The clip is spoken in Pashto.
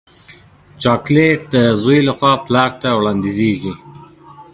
چاکلېټ د زوی له خوا پلار ته وړاندیزېږي.